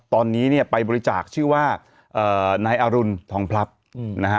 ตอนนี้เนี่ยไปบริจาคชื่อว่านายอรุณทองพลับนะฮะ